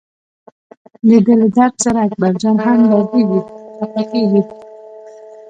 دده له درد سره اکبرجان هم دردېږي خپه کېږي.